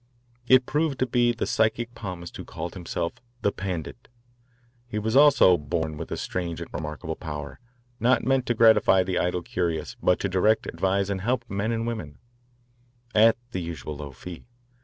It proved to be the psychic palmist who called himself "the Pandit." He also was "born with a strange and remarkable power not meant to gratify the idle curious, but to direct, advise, and help men and women" at the usual low fee.